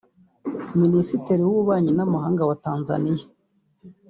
minisitiri w’ububanyi n’amahanga wa Tanzania